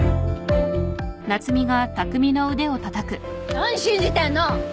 何信じてんの！